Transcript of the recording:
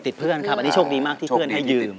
เพื่อนครับอันนี้โชคดีมากที่เพื่อนให้ยืม